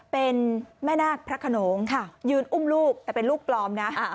เป็นแม่นาคพระขนงยืนอุ้มลูกแต่เป็นลูกปลอมนะ